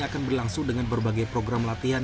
akan berlangsung dengan berbagai program latihan